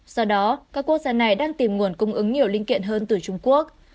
do đó các quốc gia này đang tìm nguồn cung ứng nhiều linh kiện hơn từ trung quốc